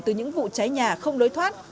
từ những vụ cháy nhà không nối thoát